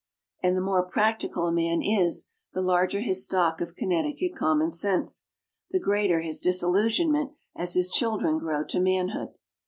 And the more practical a man is, the larger his stock of Connecticut commonsense, the greater his disillusionment as his children grow to manhood.